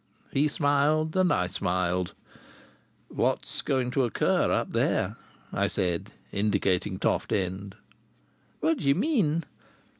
He smiled, and I smiled. "What's going to occur up there?" I asked, indicating Toft End. "What do you mean?"